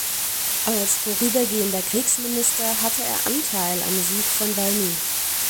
Als vorübergehender Kriegsminister hatte er Anteil am Sieg von Valmy.